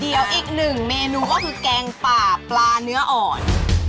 เดี๋ยวอีกหนึ่งเมนูก็คือแกงป่าปลาเนื้ออ่อน